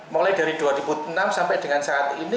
mulai dari dua ribu enam sampai dengan saat ini